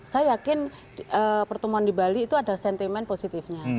saya yakin pertemuan di bali itu ada sentimen positifnya